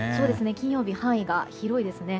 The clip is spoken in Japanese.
金曜日範囲が広いですね。